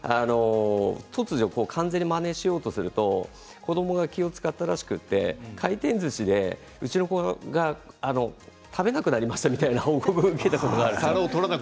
突如、完全にまねしようとすると子どもが気を遣ったらしくって回転ずしでうちの子が食べなくなりましたという報告を受けたことがあるんです。